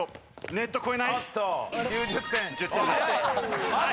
ネット越えない！